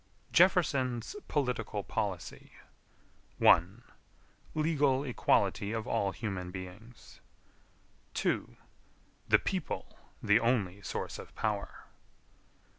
JEFFERSON'S POLITICAL POLICY. 1. Legal equality of all human beings. 2. The people the only source of power.